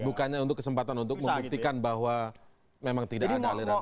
bukannya untuk kesempatan untuk membuktikan bahwa memang tidak ada aliran dana